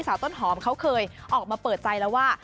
ต้นหอมเขาเคยออกมาเปิดใจแล้วว่า